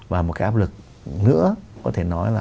và một cái áp lực nữa có thể nói là